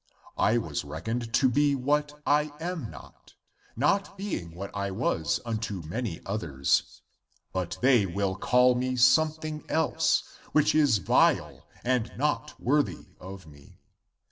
I was reckoned to be what I am not, not being what I was unto many others ; but they will call me something else, which is vile and not worthy of me.